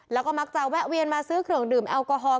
แล้วก็มักจะแวะเวียนมาซื้อเครื่องดื่มแอลกอฮอล